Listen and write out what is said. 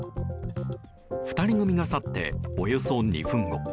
２人組が去って、およそ２分後。